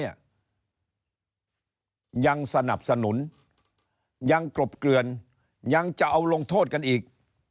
ยังสนับสนุนยังกรบเกลือนยังจะเอาลงโทษกันอีก